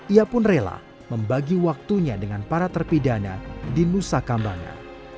ia pun rela membagi waktunya dengan para terpidana di nusa kambangan